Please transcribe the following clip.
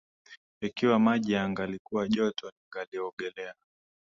Ikiwa maji yangalikuwa joto, ningaliogelea.